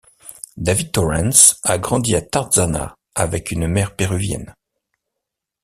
David Torrence a grandi à Tarzana avec une mère péruvienne.